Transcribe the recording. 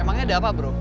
emangnya ada apa bro